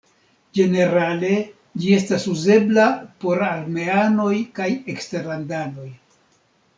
Ĝenerale ĝi estis uzebla por armeanoj kaj eksterlandanoj.